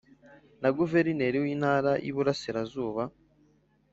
na Guverineri w’Intara y’Iburasirazuba